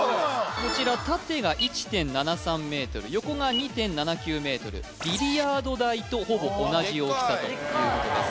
こちら縦が１．７３ｍ横が２．７９ｍビリヤード台とほぼ同じ大きさということです